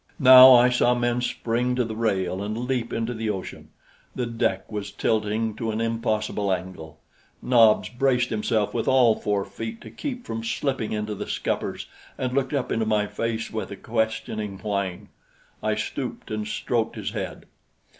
Now I saw men spring to the rail and leap into the ocean. The deck was tilting to an impossible angle. Nobs braced himself with all four feet to keep from slipping into the scuppers and looked up into my face with a questioning whine. I stooped and stroked his head.